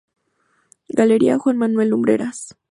Galería Juan Manuel Lumbreras.